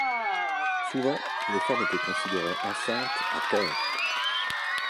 Souvent, les femmes étaient considérées enceintes à tort.